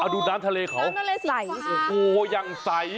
ดูด้านทะเลเขาใส